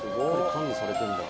管理されてんだ。